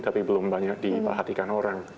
tapi belum banyak diperhatikan orang